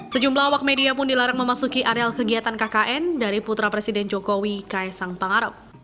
sejumlah wak media pun dilarang memasuki areal kegiatan kkn dari putra presiden joko widodo kaisang pengarap